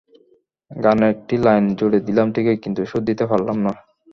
গানের একটা লাইন জুড়ে দিলাম ঠিকই কিন্তু সুর দিতে পারলাম না।